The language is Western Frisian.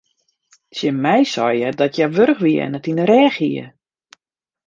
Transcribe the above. Tsjin my sei hja dat hja wurch wie en it yn de rêch hie.